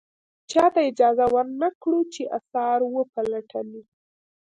چاته اجازه ور نه کړو چې اثار و پلټنې.